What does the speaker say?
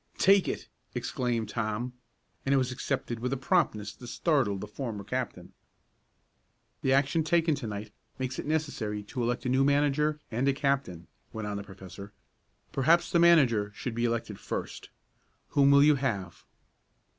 "Take it!" exclaimed Tom, and it was accepted with a promptness that startled the former captain. "The action taken to night makes it necessary to elect a new manager and a captain," went on the professor. "Perhaps the manager should be elected first. Whom will you have?"